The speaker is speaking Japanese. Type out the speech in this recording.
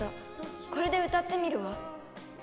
これで歌ってみるわ。